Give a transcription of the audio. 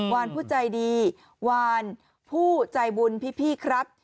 วานผู้ใจดีวานผู้ใจบุญพี่ครับ